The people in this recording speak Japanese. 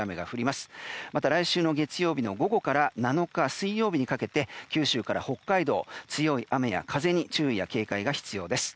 また来週月曜日の午後から７日、水曜日にかけて九州から北海道、強い雨や風に注意や警戒が必要です。